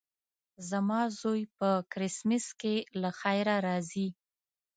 زما زوی په کرېسمس کې له خیره راځي.